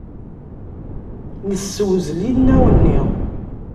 Nessewzel inaw-nni.